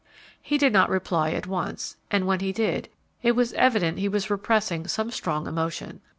He did not reply at once, and when he did, it was evident he was repressing some strong emotion.